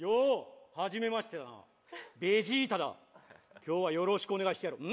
よう今日はよろしくお願いしてやろう。